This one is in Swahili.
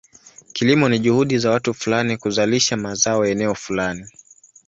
Kilimo ni juhudi za watu fulani kuzalisha mazao eneo fulani.